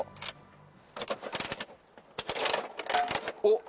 おっ！